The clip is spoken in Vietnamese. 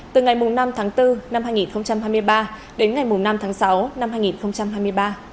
từ ngày năm tháng bốn năm hai nghìn hai mươi ba đến ngày năm tháng sáu năm hai nghìn hai mươi ba